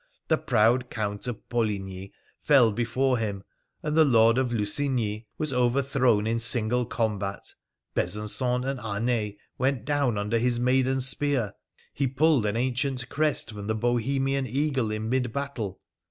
The proud Count of Poligny fell before him, and the Lord of Lusigny was over thrown in single combat ; Besancon and Arnay went down under his maiden spear ; he pulled an ancient crest from the Bohemian eagle in mid battle.